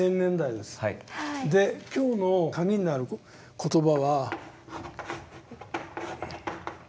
で今日の鍵になる言葉は。